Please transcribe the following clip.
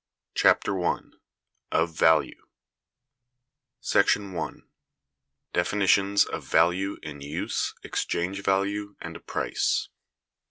Chapter I. Of Value. § 1. Definitions of Value in Use, Exchange Value, and Price.